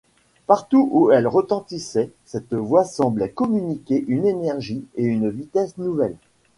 Partout où elle retentissait, cette voix semblait communiquer une énergie et une vitesse nouvelles.